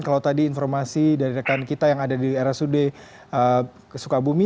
kalau tadi informasi dari rekan kita yang ada di rsud sukabumi